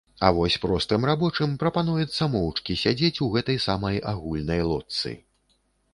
А вось простым рабочым прапануецца моўчкі сядзець у гэтай самай агульнай лодцы.